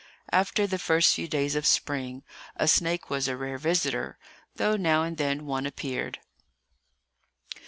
After the first few days of spring, a snake was a rare visitor, though now and then one appeared.